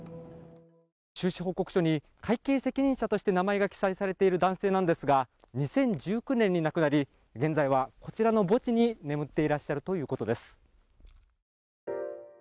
収支報告書に会計責任者として記載されている男性なんですが、２０１９年に亡くなり、現在はこちらの墓地に眠っていらっしゃるということです。